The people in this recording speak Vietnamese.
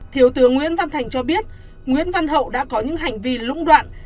thiếu tướng nguyễn văn thành cho biết nguyễn văn hậu đã có những hành vi lũng đoạn